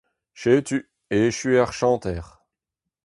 Setu, echu eo ar chanter.